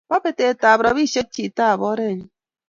mo betet ab robishe chitap orenyuu